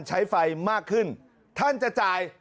ใช้ไฟมากขึ้นท่านจะจ่าย